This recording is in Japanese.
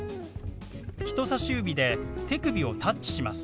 人さし指で手首をタッチします。